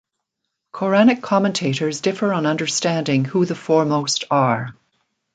Quranic commentators differ on understanding who the foremost are.